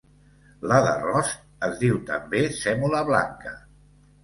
La d'arròs es diu també sèmola blanca.